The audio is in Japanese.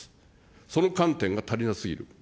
その観点が足りなすぎる。